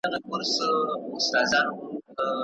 خپل ذهن په مطالعه بوخت کړئ.